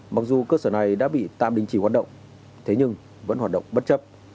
mặc dù cơ sở này đã bị tạm đình chỉ hoạt động thế nhưng vẫn hoạt động bất chấp